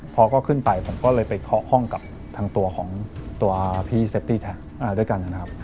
พอก็ขึ้นไปผมก็เลยไปเคาะห้องกับทางตัวของตัวพี่เซฟตี้แท็กด้วยกันนะครับ